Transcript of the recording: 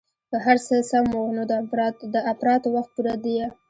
که هرڅه سم وو نو د اپراتو وخت پوره ديه.